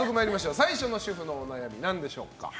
最初の主婦のお悩み何でしょうか。